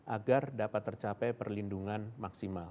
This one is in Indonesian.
agar dapat tercapai perlindungan maksimal